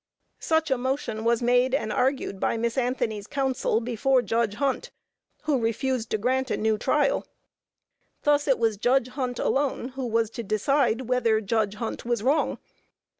Such a motion was made and argued by Miss Anthony's counsel before Judge Hunt, who refused to grant a new trial. Thus it was Judge Hunt alone who was to decide whether Judge Hunt was wrong.